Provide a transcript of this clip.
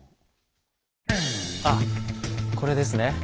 あっこれですね。